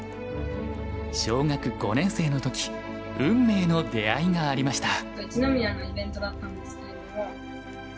小学５年生の時運命の出会いがありました。